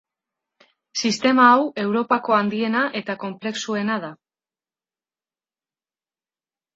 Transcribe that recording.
Sistema hau Europako handiena eta konplexuena da.